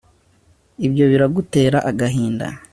Ibyo biragutera agahinda